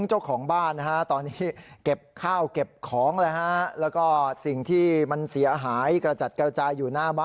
ใช่นะครับ